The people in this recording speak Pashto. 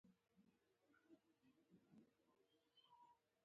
له لوستلو او ليکلو څخه يې پوهه تر لاسه کیږي.